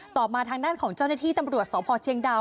ต่อมาทางด้านของเจ้าหน้าที่ตำรวจสพเชียงดาว